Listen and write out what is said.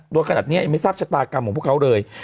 รวมขนาดนี้ไม่ทราบชตากรรมของพวกเค้าเลย